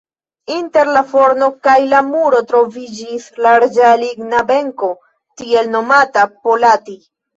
Inter la forno kaj la muro troviĝis larĝa ligna benko, tiel nomata "polati".